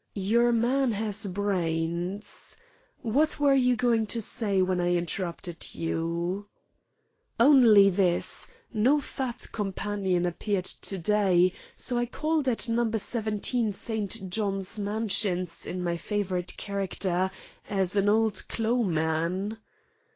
"Your man has brains. What were you going to say when I interrupted you?" "Only this. No fat companion appeared to day, so I called at No. 17 St. John's Mansions in my favourite character as an old clo' man."